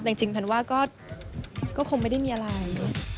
แต่จริงแพนว่าก็คงไม่ได้มีอะไร